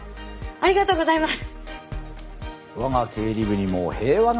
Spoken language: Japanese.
ありがとうございます。